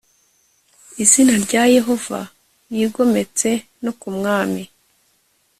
izina rya Yehova Yigometse no ku Mwami